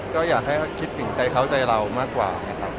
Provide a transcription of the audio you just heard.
ก็อยากให้คิดถึงใจเขาใจเรามากกว่านะครับ